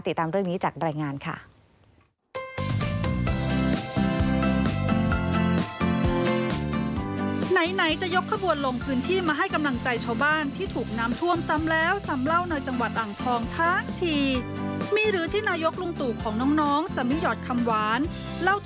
ติดตามเรื่องนี้จากรายงานค่ะ